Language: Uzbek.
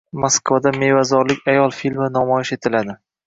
Moskvada "Mevazorlik ayol" filmi namoyish etiladi